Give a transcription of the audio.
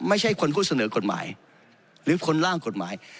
ไม่ใช่คนผู้เสนอกฎหมายหรือคนล่างกฎหมาย